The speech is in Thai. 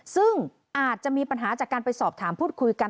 ซึ่งอาจจะมีปัญหาจากการไปสอบถามพูดคุยกัน